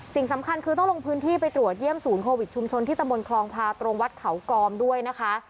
สิ่งสำคัญคือต้องลงพื้นที่ไปตรวจเยี่ยมศูนย์โควิดชุมชนที่ตะมนตคลองพาตรงวัดเขากอมด้วยนะคะ